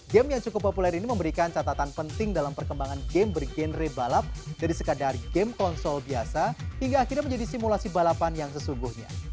game yang cukup populer ini memberikan catatan penting dalam perkembangan game bergenre balap dari sekadar game konsol biasa hingga akhirnya menjadi simulasi balapan yang sesungguhnya